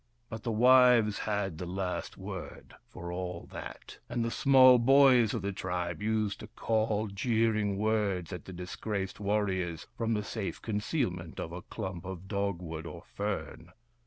But the wives had the last word, for all that, and the small boys of the tribe used to call jeering words at the disgraced warriors, from the safe concealment of a clump of dogwood, or fern.